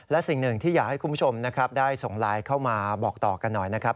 และสิ่งหนึ่งที่อยากให้คุณผู้ชมนะครับได้ส่งไลน์เข้ามาบอกต่อกันหน่อยนะครับ